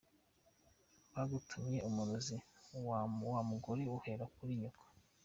Bagutumye umurozi w’umugore uhera kuri nyoko.